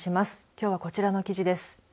きょうは、こちらの記事です。